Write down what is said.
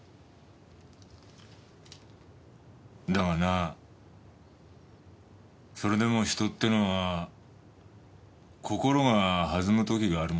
だがなそれでも人ってのは心が弾む時があるもんだ。